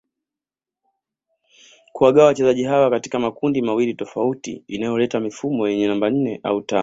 kuwagawa wachezaji hawa katika makundi mawili tofauti inayoleta mifumo yenye namba nne au tano